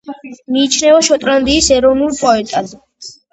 მიიჩნევა შოტლანდიის ეროვნულ პოეტად.